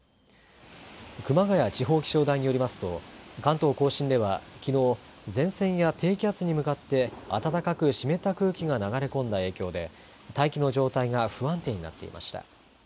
熊谷地方気象台によりますと、関東甲信ではきのう、前線や低気圧に向かって、暖かく湿った空気が流れ込んだ影響で、大気の状態が不安定になっていました。